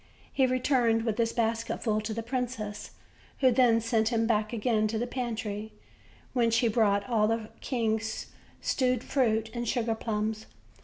He returned with his basket full to the princess, who then sent him back again to the pantry, whence he brought all the king's stewed fruit and sugarplums.